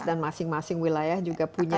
masing masing wilayah juga punya